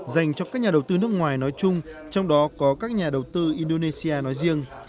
dành cho các nhà đầu tư nước ngoài nói chung trong đó có các nhà đầu tư indonesia nói riêng